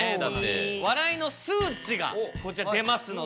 笑いの数値がこちら出ますので。